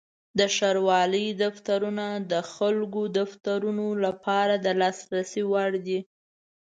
د ښاروالۍ دفترونه د خلکو خدمتونو لپاره د لاسرسي وړ دي.